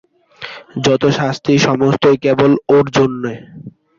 যত শাস্তি সমস্তই কেবল ওঁর জন্যে।